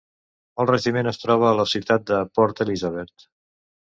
El regiment es troba a la ciutat de Port Elisabeth.